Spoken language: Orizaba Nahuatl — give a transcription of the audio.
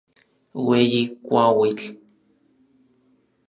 Ueyi kuauitl.